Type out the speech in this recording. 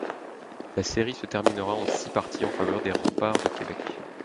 La série se terminera en six parties en faveur des Remparts de Québec.